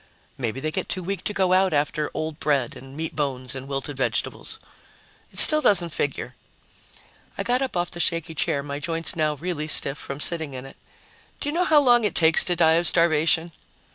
"Maybe they get too weak to go out after old bread and meat bones and wilted vegetables." "It still doesn't figure." I got up off the shaky chair, my joints now really stiff from sitting in it. "Do you know how long it takes to die of starvation?"